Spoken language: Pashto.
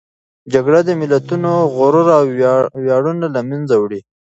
جګړه د ملتونو غرور او ویاړونه له منځه وړي.